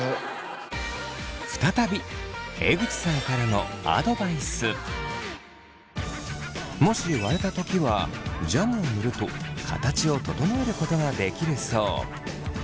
再び江口さんからのもし割れた時はジャムを塗ると形を整えることができるそう。